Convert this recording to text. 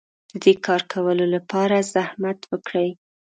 د دې کار کولو لپاره زحمت وکړئ.